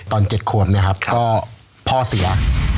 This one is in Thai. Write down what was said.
ตอน๗ขวบนะครับก็พ่อเสีย